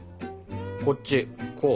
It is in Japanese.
こっちこう。